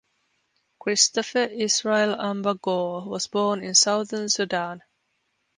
Christopher Israel Umba Gore was born in southern Sudan.